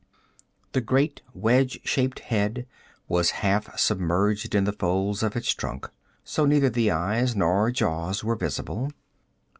The great wedge shaped head was half submerged in the folds of its trunk; so neither the eyes nor jaws were visible.